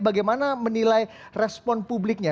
bagaimana menilai respon publiknya